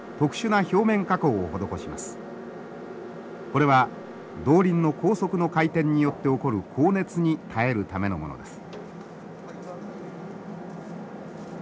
これは動輪の高速の回転によって起こる高熱に耐えるためのものです。